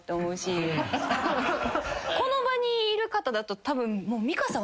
この場にいる方だとたぶん。